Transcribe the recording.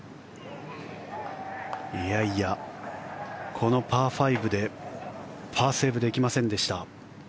このパー５でパーセーブできませんでした。